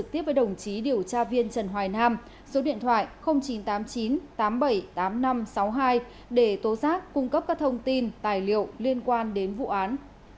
tiếp với đồng chí điều tra viên trần hoài nam số điện thoại chín trăm tám mươi chín tám mươi bảy tám nghìn năm trăm sáu mươi hai để tố giác cung cấp các thông tin tài liệu liên quan đến vụ án